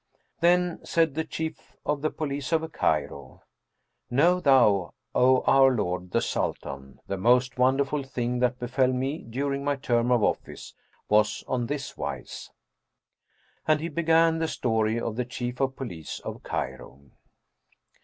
Then said the Chief of the Police of Cairo, "Know thou, O our lord the Sultan, the most wonderful thing that befel me, during my term of office, was on this wise:" and he began The Story of the Chief of Police of Cairo.